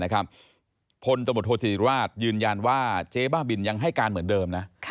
พลตำรวจโทษธิติราชยืนยันว่าเจ๊บ้าบินยังให้การเหมือนเดิมนะ